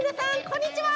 こんにちは！